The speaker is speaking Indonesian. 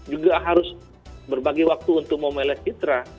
juga harus berbagi waktu untuk memelih citra